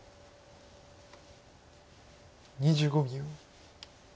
２５秒。